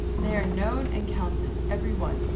"They are known and counted, every one."